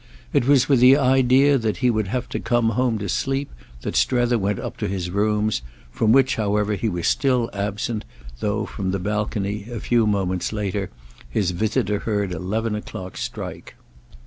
It was with the idea that he would have to come home to sleep that Strether went up to his rooms, from which however he was still absent, though, from the balcony, a few moments later, his visitor heard eleven o'clock strike.